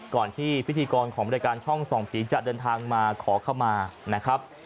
ก่อนที่พิธีกรของบริการช่องส่องผีจะเดินทางมาขอเข้ามานะครับ